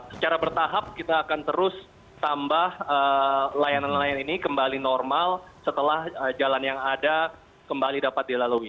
secara bertahap kita akan terus tambah layanan layanan ini kembali normal setelah jalan yang ada kembali dapat dilalui